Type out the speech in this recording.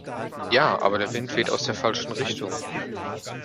Ja, aber der Wind weht aus der falschen Richtung.